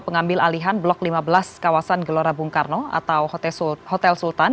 pengambil alihan blok lima belas kawasan gelora bung karno atau hotel sultan